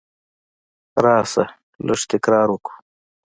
راسه! لږ تکرار وکو.